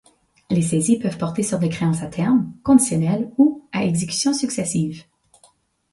Les saisies peuvent porter sur des créances à terme, conditionnelles, ou à exécution successive.